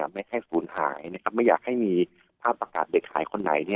ไม่ให้ศูนย์หายนะครับไม่อยากให้มีภาพประกาศเด็กหายคนไหน